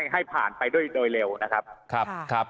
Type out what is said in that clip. ให้ผ่านไปโดยเร็วนะครับ